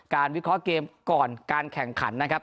วิเคราะห์เกมก่อนการแข่งขันนะครับ